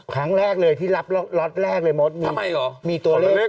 ครั้งแรกเลยที่รับล็อตแรกเลยมดทำไมหรอ